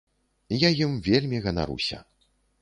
Я ім вельмі ганаруся.